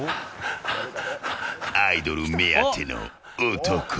アイドル目当ての男。